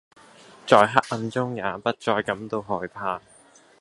在黑暗中也不再感到害怕